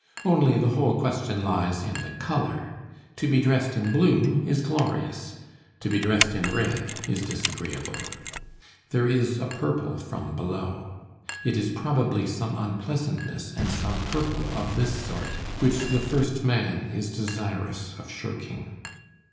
Only, the whole question lies in the color. To be dressed in blue is glorious; to be dressed in red is disagreeable. There is a purple from below. It is probably some unpleasantness and some purple of this sort which the first man is desirous of shirking.